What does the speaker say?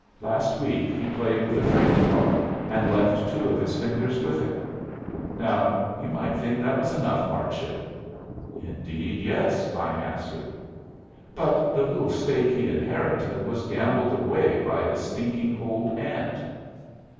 Last week he played with a freight car and left two of his fingers with it. Now you might think that was enough hardship." "Indeed yes," I answered. "But the little stake he inherited was gambled away by his stinking old aunt."